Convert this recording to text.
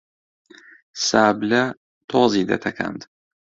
سابلە تۆزی دەتەکاند